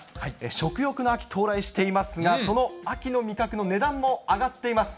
食欲の秋、到来していますが、その秋の味覚の値段も上がっています。